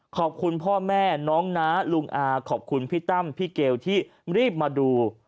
ขอบคุณพ่อแม่น้องน้าลุงอาขอบคุณพี่ตั้มพี่เกลที่รีบมาดู